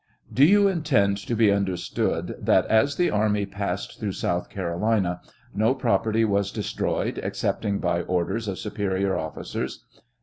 Do yon intend to be understood that as the army passed thl ongh South Carolina no property was de stroyed excepting by orders of superior officers